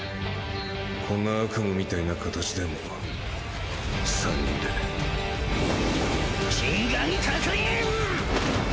こんな悪夢みたいな形でも３人で真贋確認！